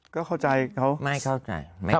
ไม่เข้าใจไม่ได้